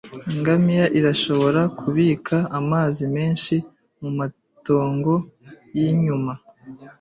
Ingamiya irashobora kubika amazi menshi mumatongo yinyuma.